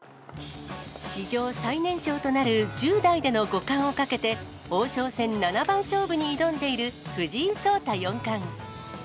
史上最年少となる１０代での五冠をかけて、王将戦七番勝負に挑んでいる藤井聡太四冠。